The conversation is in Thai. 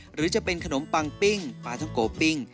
หรือจะเป็นขนมปังปิ้งปลาท้องโกปิ้ง